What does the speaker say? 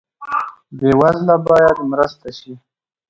بې وزله باید مرسته شي